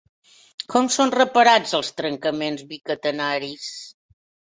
Com són reparats els trencaments bicatenaris?